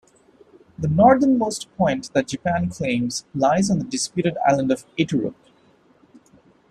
The northernmost point that Japan claims lies on the disputed island of Iturup.